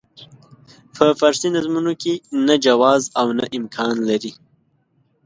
په فارسي نظمونو کې نه جواز او نه امکان لري.